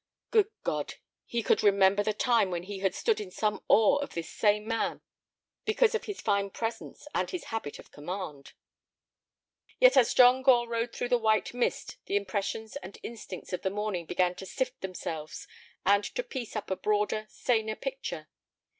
Good God! He could remember the time when he had stood in some awe of this same man because of his fine presence and his habit of command. Yet as John Gore rode through the white mist the impressions and instincts of the morning began to sift themselves and to piece up a broader, saner picture.